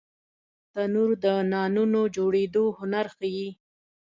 تنور د نانونو جوړېدو هنر ښيي